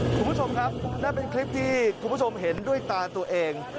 คุณผู้ชมครับนั่นเป็นคลิปที่คุณผู้ชมเห็นด้วยตาตัวเอง